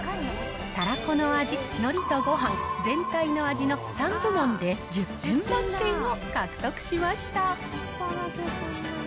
たらこの味、のりとごはん、全体の味の３部門で１０点満点を獲得しました。